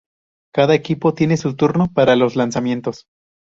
Cada equipo tiene su turno para los lanzamientos.